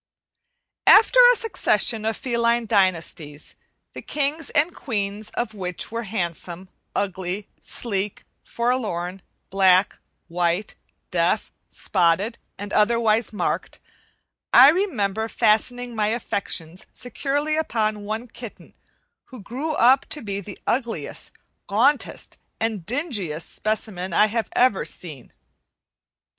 After a succession of feline dynasties, the kings and queens of which were handsome, ugly, sleek, forlorn, black, white, deaf, spotted, and otherwise marked, I remember fastening my affections securely upon one kitten who grew up to be the ugliest, gauntest, and dingiest specimen I ever have seen.